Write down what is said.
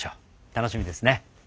楽しみですね。